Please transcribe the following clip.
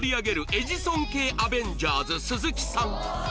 エジソン系アベンジャーズ鈴木さん